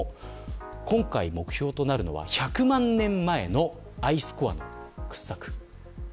今回目標となるのが１００万年前のアイスコアの掘削。